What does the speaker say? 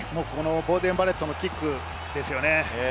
ボーデン・バレットのキックですよね。